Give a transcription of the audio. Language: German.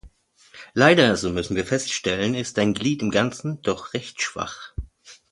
Leider, so müssen wir feststellen, ist ein Glied im Ganzen doch recht schwach.